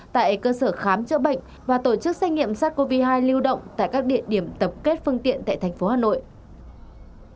tại cơ sở khám chữa bệnh và tổ chức xét nghiệm sars cov hai lưu động tại các địa điểm tập kết phương tiện tại thành phố hà nội